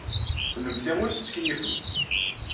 Kennemti ur tettkeyyifemt.